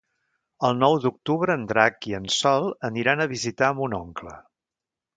El nou d'octubre en Drac i en Sol aniran a visitar mon oncle.